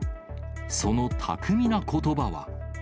その巧みなことばは。